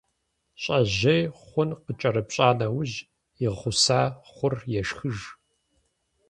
ЩIэжьей хъун къыкIэрыпщIа нэужь, и гъуса хъур ешхыж.